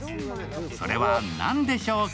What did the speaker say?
それは何でしょうか？